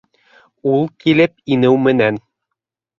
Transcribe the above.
Ул килеп инеү менән: